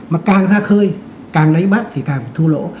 mà càng ra khơi càng lấy bắt thì càng phải thu lỗ